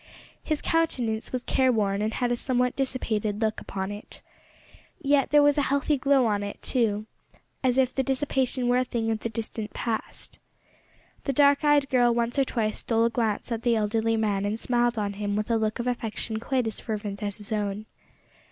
His countenance was careworn and, had a somewhat dissipated look upon it. Yet there was a healthy glow on it, too, as if the dissipation were a thing of the distant past. The dark eyed girl once or twice stole a glance at the elderly man and smiled on him with a look of affection quite as fervent as his own.